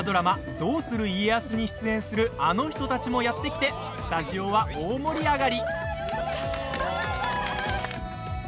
「どうする家康」に出演するあの人たちもやって来てスタジオは大盛り上がり。